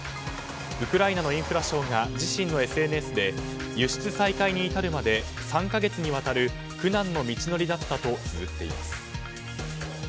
ウクライナのインフラ相が自身のＳＮＳで輸出再開に至るまで３か月にわたる苦難の道のりだったとつづっています。